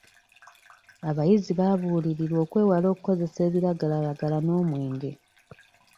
Abayizi baabuulirirwa okwewala okukozesa ebiragalalagala n'omwenge.